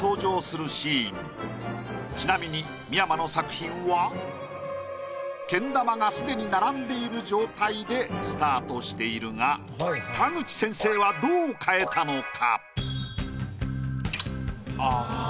ちなみに三山の作品はけん玉がすでに並んでいる状態でスタートしているが田口先生はどう変えたのか？